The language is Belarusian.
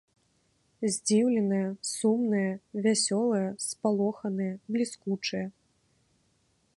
Здзіўленыя, сумныя, вясёлыя, спалоханыя, бліскучыя.